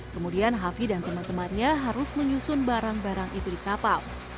kemudian hafi dan teman temannya harus menyusun barang barang itu di kapal